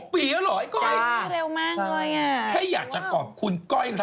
๖ปีแล้วหรอ